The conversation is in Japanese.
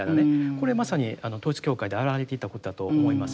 これまさに統一教会であらわれていたことだと思います。